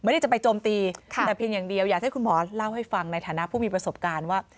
แต่เพียงอย่างเดียวอยากให้คุณหมอเล่าให้ฟังในฐานะผู้มีประสบการณ์ว่า